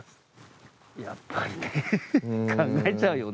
やっぱりね、考えちゃうようよね